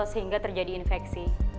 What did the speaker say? sehingga terjadi infeksi